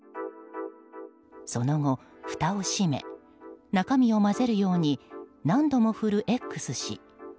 その後ふたを閉め、中身を混ぜるように何度も振るＸ氏。